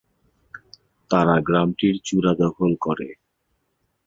তারা গ্রামটির চূড়া দখল করে।